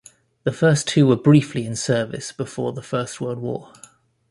The first two were briefly in service before the First World War.